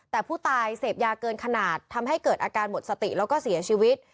แต่ผู้ตายเสพยาเกินขนาดทำให้เกิดอาการหมดสติแล้วก็เสียชีวิต